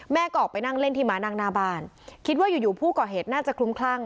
ออกไปนั่งเล่นที่ม้านั่งหน้าบ้านคิดว่าอยู่อยู่ผู้ก่อเหตุน่าจะคลุ้มคลั่ง